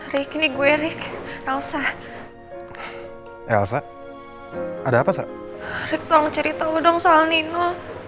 riki nih gue rik elsa elsa ada apa apa riktor cerita udah soal nino